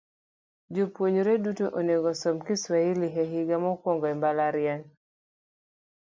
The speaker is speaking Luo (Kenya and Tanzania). Jopuonjre duto onegosom Kiswahili e higa mokwongo e mbalariany .